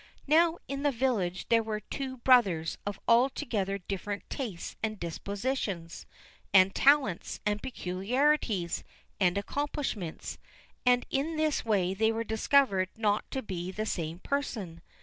Now, in the village there were two brothers of altogether different tastes and dispositions, and talents, and peculiarities, and accomplishments, and in this way they were discovered not to be the same person.